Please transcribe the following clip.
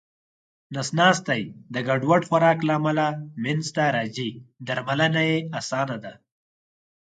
نس ناستی د ګډوډ خوراک له امله منځته راځې درملنه یې اسانه ده